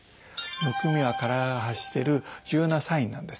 むくみは体が発してる重要なサインなんです。